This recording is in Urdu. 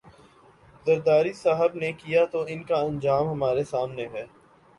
زرداری صاحب نے کیا تو ان کا انجام ہمارے سامنے ہے۔